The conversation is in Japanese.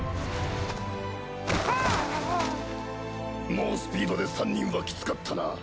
猛スピードで３人はきつかったな。